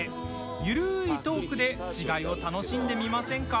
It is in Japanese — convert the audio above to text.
ゆるいトークで違いを楽しんでみませんか？